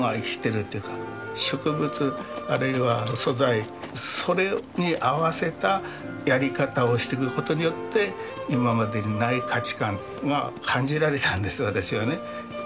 植物あるいは素材それに合わせたやり方をしていくことによって今までにない価値観が感じられたんです私はね。